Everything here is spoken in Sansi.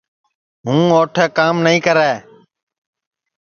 ہوں اوٹھے کام نائی کرے